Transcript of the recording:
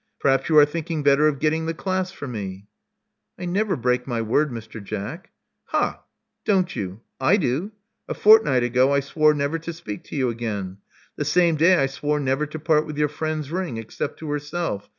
Perhaps you are thinking better of getting the class for me." I never break my word, Mr. Jack." Ha! Don't you! I do. A fortnight ago I swore never to speak to you again. The same day I swore never to part with your friend's ring except to herself.